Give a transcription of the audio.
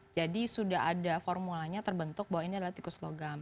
jadi sudah ada formulanya terbentuk bahwa ini adalah tikus logam